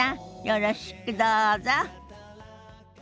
よろしくどうぞ。